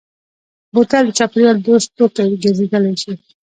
بوتل د چاپېریال دوست توکی ګرځېدای شي.